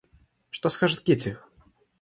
Что скажет Кити?